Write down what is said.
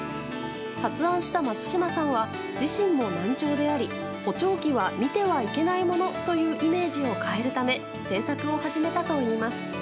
発案した松島さんは自身も難聴であり補聴器は見てはいけないものというイメージを変えるため制作を始めたといいます。